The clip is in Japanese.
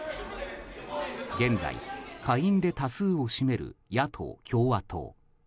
現在、下院で多数を占める野党・共和党。